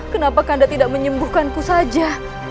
kenapa karena tidak menyembuhkanku saja